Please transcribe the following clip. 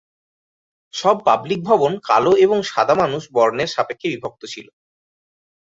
সব পাবলিক ভবন কালো এবং সাদা মানুষ বর্ণের সাপেক্ষে বিভক্ত ছিল।